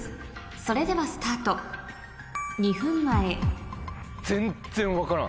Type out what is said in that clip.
それではスタート２分前りゅう？